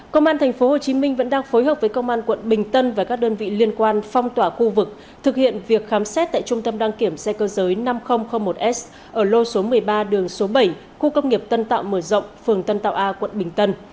công an tp hcm vẫn đang phối hợp với công an quận bình tân và các đơn vị liên quan phong tỏa khu vực thực hiện việc khám xét tại trung tâm đăng kiểm xe cơ giới năm nghìn một s ở lô số một mươi ba đường số bảy khu công nghiệp tân tạo mở rộng phường tân tạo a quận bình tân